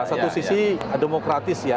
satu sisi demokratis ya